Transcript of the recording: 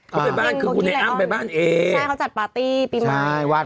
เขาไปบ้านคือคุณไอ้อ้ำไปบ้านเองใช่เขาจัดปาร์ตี้ปีใหม่ใช่วัน